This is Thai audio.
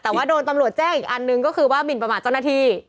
แต่ว่าโดนตำรวจแจ้งอีกอันนึงก็คือว่าหมินประมาทเจ้าหน้าที่